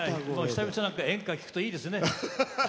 久々に演歌を聴くといいですね。